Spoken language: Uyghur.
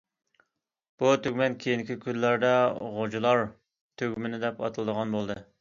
بۇ تۈگمەن كېيىنكى كۈنلەردە« غوجىلار تۈگمىنى» دەپ ئاتىلىدىغان بولدى.